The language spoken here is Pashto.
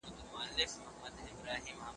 پرون ارتجاع تر نن ورځې ډېره يادېده.